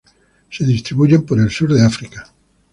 Se distribuyen por el sur de África.